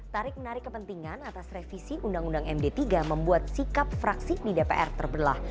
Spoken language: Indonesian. tarik menarik kepentingan atas revisi undang undang md tiga membuat sikap fraksi di dpr terbelah